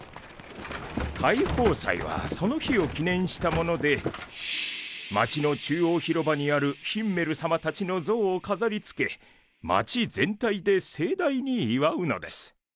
解放祭はその日を記念したもので町の中央広場にあるヒンメル様たちの像を飾り付け町全体で盛大に祝うのです。